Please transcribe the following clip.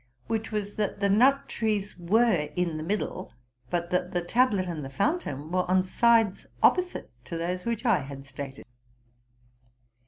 which was, that the nut trees were in the middle, but that the tablet and the fountain were on sides Opposite to those which I had stated.